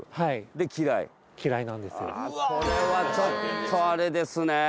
これはちょっとあれですね。